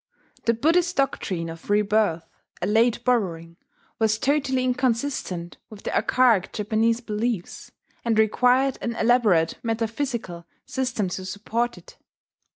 The Buddhist doctrine of rebirth a late borrowing was totally inconsistent with the archaic Japanese beliefs, and required an elaborate metaphysical system to support it.